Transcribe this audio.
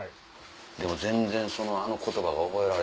でも全然あの言葉が覚えられへん。